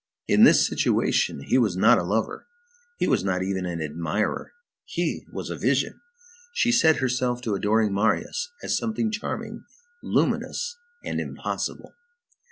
In this situation he was not a lover, he was not even an admirer, he was a vision. She set herself to adoring Marius as something charming, luminous, and impossible.